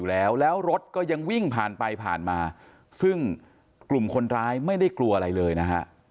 แล้วแล้วรถก็ยังวิ่งผ่านไปผ่านมาซึ่งกลุ่มคนร้ายไม่ได้กลัวอะไรเลยนะฮะ